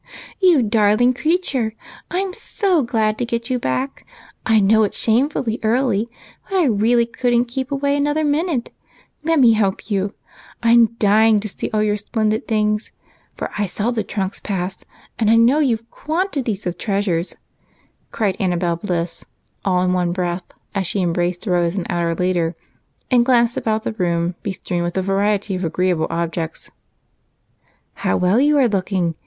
"You darling creature, I'm so glad to get you back! I know it's shamefully early, but I really couldn't keep away another minute. Let me help you I'm dying to see all your splendid things. I saw the trunks pass and I know you've quantities of treasures," cried Annabel Bliss all in one breath as she embraced Rose an hour later and glanced about the room bestrewn with a variety of agreeable objects. "How well you are looking!